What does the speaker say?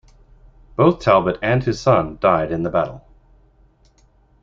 Both Talbot and his son died in the battle.